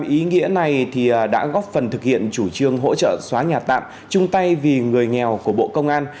ý nghĩa này đã góp phần thực hiện chủ trương hỗ trợ xóa nhà tạm chung tay vì người nghèo của bộ công an